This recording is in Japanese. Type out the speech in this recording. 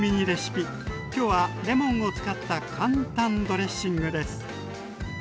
今日はレモンを使った簡単ドレッシングです。